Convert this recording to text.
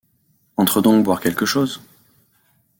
Entre donc boire quelque chose. ..